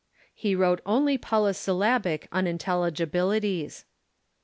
He wrote only polysyllabic unintelligibilities.